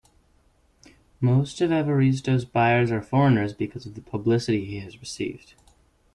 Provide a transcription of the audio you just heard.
Most of Evaristo's buyers are foreigners because of the publicity he has received.